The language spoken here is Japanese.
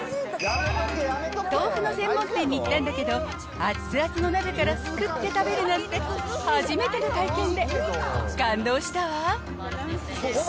豆腐の専門店に行ったんだけど、熱々の鍋からすくって食べるなんて、初めての体験で感動したわ。